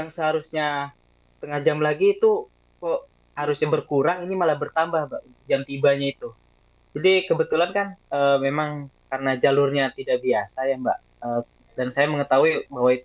saya abadikan momen itu untuk apa namanya untuk saya gitu loh